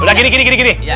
udah gini gini gini